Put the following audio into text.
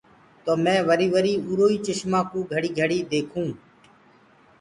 تو مينٚ وري وري اُرو آئي چسمآ ڪوُ گھڙيٚ گھڙيٚ ديکون۔